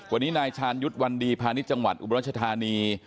วันนี้นายชาญยุทธ์วันดีพาณิชย์จังหวัดอุบรัชธานี